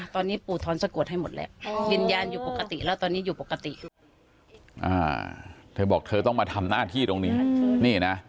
เธอบอกเธอต้องมาทำหน้าที่ตรงนี้